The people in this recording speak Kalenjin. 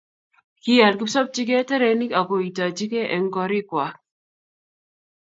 kial kipsobchigei terenik akuaitochigei eng'korikwak